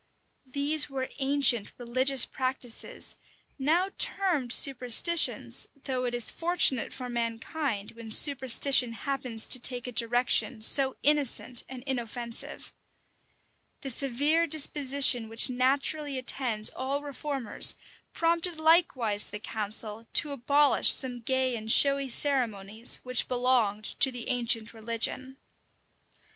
These were ancient religious practices, now termed superstitions; though it is fortunate for mankind, when superstition happens to take a direction so innocent and inoffensive. The severe disposition which naturally attends all reformers prompted likewise the council to abolish some gay and showy ceremonies which belonged to the ancient religion.